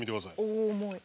お重い。